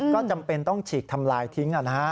ก็จำเป็นต้องฉีกทำลายทิ้ง